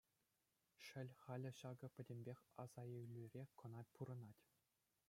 Шел, халӗ ҫакӑ пӗтӗмпех асаилӳре кӑна пурӑнать.